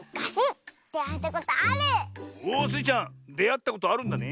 おっスイちゃんであったことあるんだね。